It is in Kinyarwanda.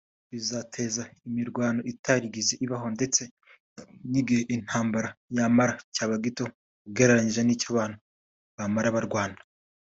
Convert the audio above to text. bizateza imirwano itarigeze ibaho ndetse n’igihe intambara yamara cyaba gito ugereranyije n’icyo abantu bamaraga barwana